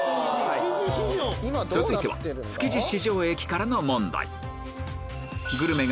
続いては築地市場駅からの問題